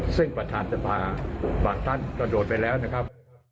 ซึ่งประธานสภาบางท่านกระโดดไปแล้วนะครับ